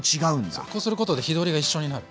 そうこうすることで火通りが一緒になる。